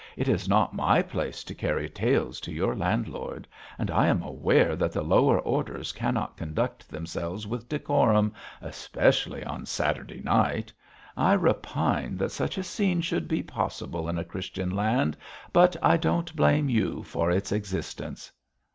It is not my place to carry tales to your landlord; and I am aware that the lower orders cannot conduct themselves with decorum, especially on Saturday night. I repine that such a scene should be possible in a Christian land, but I don't blame you for its existence.'